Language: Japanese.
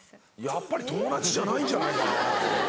やっぱり友達じゃないんじゃないかな。